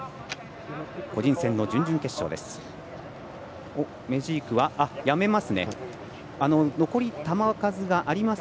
個人戦の準々決勝です。